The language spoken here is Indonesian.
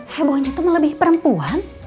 hebohnya tuh melebihi perempuan